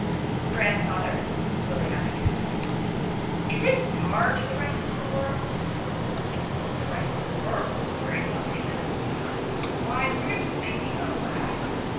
" Grandfather," Willie asked one day, " is it far to the rest of the world ?"" The rest of the world ?" his grandfather said looking up; "why, what are you thinking of, lad